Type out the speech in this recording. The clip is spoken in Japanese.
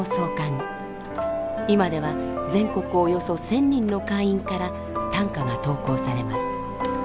今では全国およそ１，０００人の会員から短歌が投稿されます。